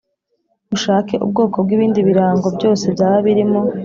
Ushake ubwoko bw’ibindi birango byose byaba birimo